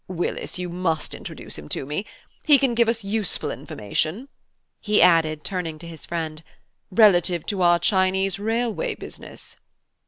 Willis, you must introduce him to me. He can give us useful information," he added, turning to his friend, "relative to our Chinese railway business."